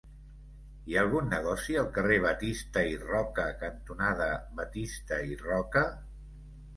Hi ha algun negoci al carrer Batista i Roca cantonada Batista i Roca?